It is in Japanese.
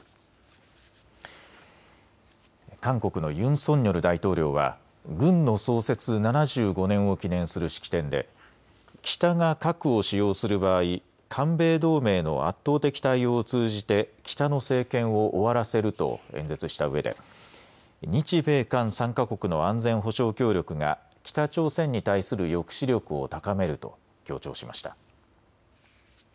韓国のユン・ソンニョル大統領は軍の創設７５年を記念する式典で北が核を使用する場合、韓米同盟の圧倒的対応を通じて北の政権を終わらせると演説したうえで日米韓３か国の安全保障協力が北朝鮮に対する抑止力を高めると強調しました。